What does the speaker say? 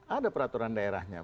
ada peraturan daerahnya